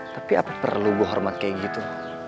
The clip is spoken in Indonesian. tapi apa perlu gue hormat kayak gitu